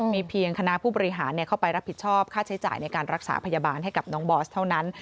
มีเพียงคณะผู้บริหารเข้าไปรับผิดชอบค่าใช้จ่ายในการรักษาพยาบาลให้กับน้องบอสเท่านั้น